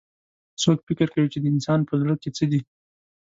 څوک فکر کوي چې د انسان پهزړه کي څه دي